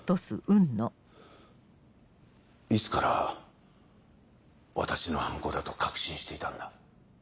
いつから私の犯行だと確信していたんだ？